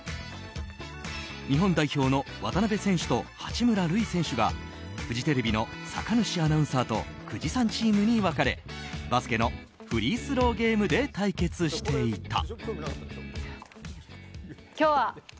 日本代表の渡邊選手と八村塁選手がフジテレビの酒主アナウンサーと久慈さんチームに分かれバスケのフリースローゲームで対決していた。